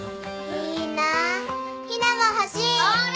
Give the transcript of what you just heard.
いいなあ陽菜も欲しい。